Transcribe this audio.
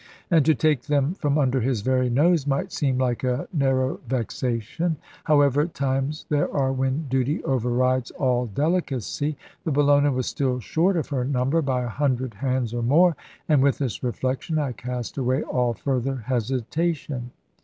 And to take them from under his very nose, might seem like a narrow vexation. However, times there are when duty overrides all delicacy; the Bellona was still short of her number by a hundred hands or more: and with this reflection I cast away all further hesitation.